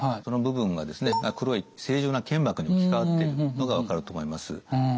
その部分がですね黒い正常な腱膜に置き換わっているのが分かると思います。